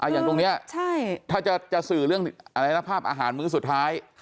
อย่างตรงนี้ถ้าจะสื่อเรื่องอะไรนะภาพอาหารมื้อสุดท้าย